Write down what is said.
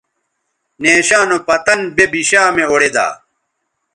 نیشاں نو پتن بے بشامےاوڑیدا